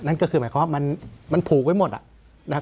นั่นก็คือหมายความว่ามันผูกไว้หมดนะครับ